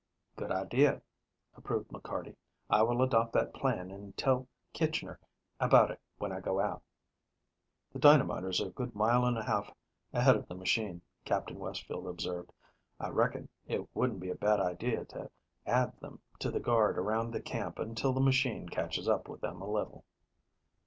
"Good idea," approved McCarty. "I will adopt that plan and tell Kitchner about it when I go out." "The dynamiters are a good mile and a half ahead of the machine," Captain Westfield observed. "I reckon it wouldn't be a bad idea to add them to the guard around the camp until the machine catches up with them a little."